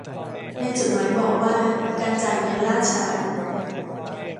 ในจดหมายบอกว่าการจ่ายเงินล่าช้า